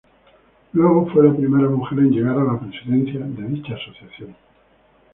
Luego fue la primera mujer en llegar a la presidencia de dicha asociación.